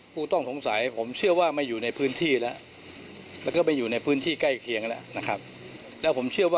คุณต้องสงสัยผมเชื่อว่าไม่อยู่ในพื้นที่แล้ว